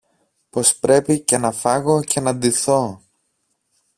πως πρέπει και να φάγω και να ντυθώ!